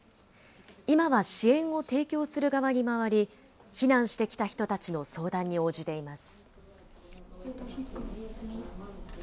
今は支援を提供する側に回り、避難してきた人たちの相談に応じています。